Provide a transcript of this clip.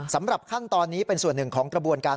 สำหรับขั้นตอนนี้เป็นส่วนหนึ่งของกระบวนการ